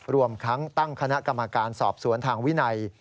รวมทั้งตั้งคณะกรรมการสอบสวนทางวินัย